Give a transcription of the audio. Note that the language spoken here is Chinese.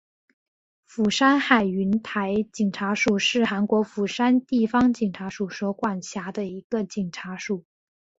釜山海云台警察署是韩国釜山地方警察厅所管辖的一个警察署。